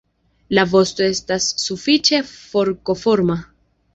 La vosto estas sufiĉe forkoforma.